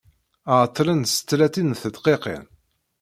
Ɛeḍḍlen s tlatin n tedqiqin.